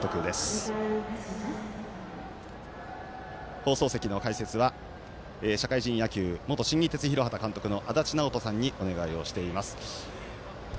放送席の解説は社会人野球、元新日鉄広畑の足達尚人さんにお願いをしています。